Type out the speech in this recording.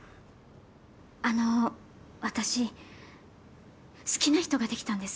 あの私好きな人ができたんです。